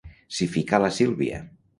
S'hi fica la Sílvia—.